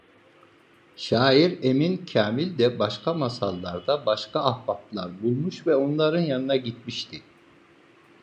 Şair Emin Kâmil de başka masalarda başka ahbaplar bulmuş ve onların yanına gitmişti.